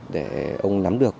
để ông nắm được